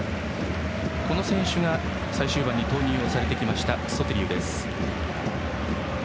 この選手が最終盤に投入されてきたソティリウです。